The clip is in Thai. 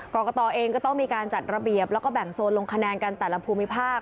กรกตเองก็ต้องมีการจัดระเบียบแล้วก็แบ่งโซนลงคะแนนกันแต่ละภูมิภาค